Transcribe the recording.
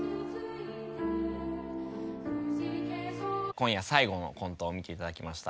今夜最後のコントを見ていただきました。